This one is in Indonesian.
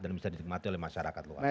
dan bisa ditikmati oleh masyarakat luar